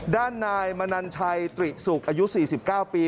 ด้านนายมนัญชัยตริศุกร์อายุสี่สิบเก้าปี